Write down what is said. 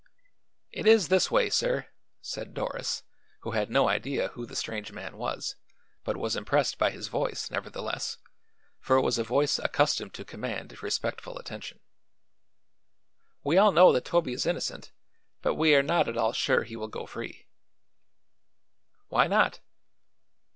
"It is this way, sir," said Doris, who had no idea who the strange man was, but was impressed by his voice, nevertheless, for it was a voice accustomed to command respectful attention: "We all know that Toby is innocent, but we are not at all sure he will go free." "Why not?"